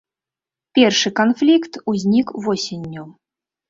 Першы канфлікт узнік восенню.